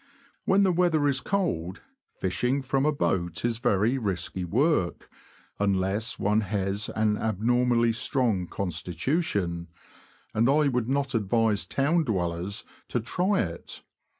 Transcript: When the weather is cold, fishing from a boat is very risky work, unless one has an abnormally strong con stitution ; and I would not advise town dwellers to try it.